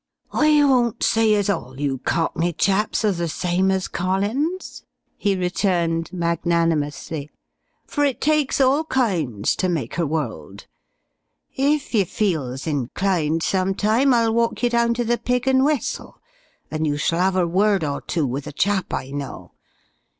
"I won't say as all you cockney chaps are the same as Collins," he returned magnanimously, "for it takes all kinds ter make a world. If you feels inclined some time, I'll walk you down to the Pig and Whistle and you shall 'ave a word or two with a chap I know.